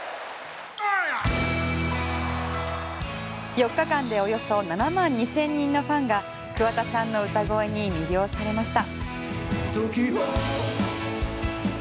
４日間でおよそ７万２０００人のファンが桑田さんの歌声に魅了されました。